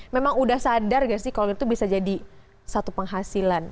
memang udah sadar gak sih kalau itu bisa jadi satu penghasilan